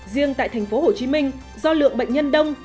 riêng tại thành phố hồ chí minh do lượng bệnh nhân đông